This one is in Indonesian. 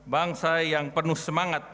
bangsa yang penuh semangat